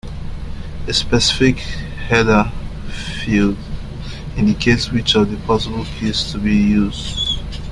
A specific header field indicates which of the possible keys is to be used.